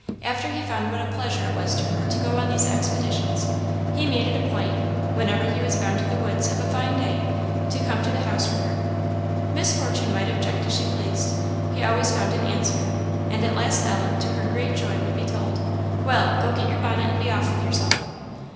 After he found what a pleasure it was to her to go on these expeditions, he made it a point, whenever he was bound to the woods of a fine day, to come to the house for her. Miss Fortune might object as she pleased; he always found an answer; and at last Ellen, to her great joy, would be told, "Well! go get your bonnet and be off with yourself."